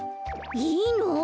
いいの？